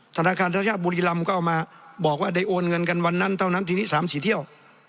ธนาคารทยาบุรีรำก็เอามาบอกว่าได้โอนเงินกันวันนั้นเท่านั้นทีนี้๓๔เที่ยว